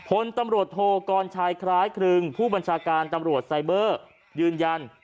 พลตำรวจโทกรชายคล้ายครึ่งผู้บัญชาการตำรวจไซเบอร์ยืนยัน